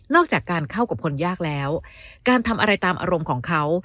จากการเข้ากับคนยากแล้วการทำอะไรตามอารมณ์ของเขา